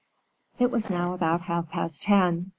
It was now about half past ten.